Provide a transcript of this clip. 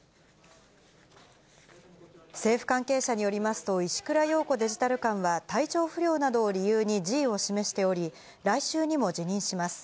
政府関係者によりますと、石倉洋子デジタル監は、体調不良などを理由に辞意を示しており、来週にも辞任します。